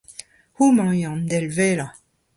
Houmañ eo an handelv wellañ.